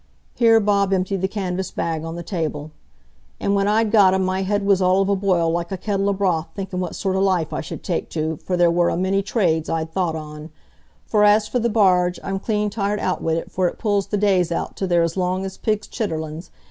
Here Bob emptied the canvas bag on the table. "An' when I'd got 'em, my head was all of a boil like a kettle o' broth, thinkin' what sort o' life I should take to, for there war a many trades I'd thought on; for as for the barge, I'm clean tired out wi't, for it pulls the days out till they're as long as pigs' chitterlings.